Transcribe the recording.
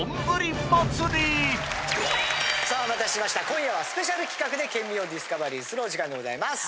今夜はスペシャル企画で県民をディスカバリーするお時間でございます。